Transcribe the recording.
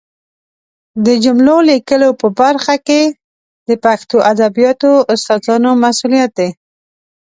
د جملو لیکلو په برخه کې د پښتو ادبیاتو استادانو مسؤلیت دی